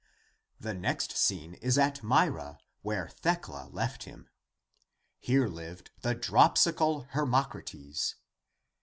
The next scene is at Myra, where Thecla left him.s Here lived the dropsical Hermocrates.